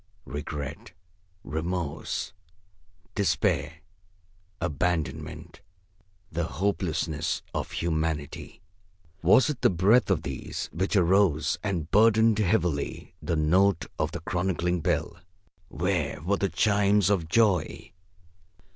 Regret, remorse, despair, abandonment, the hopelessness of humanity was it the breath of these which arose and burdened heavily the note of the chronicling bell? Where were the chimes of joy?